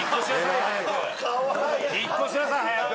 引っ越しなさい早く。